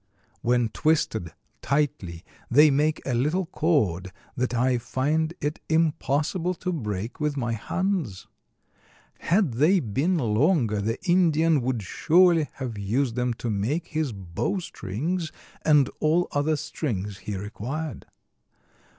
When twisted tightly they make a little cord that I find it impossible to break with my hands. Had they been longer the Indian would surely have used them to make his bow strings and all other strings he required.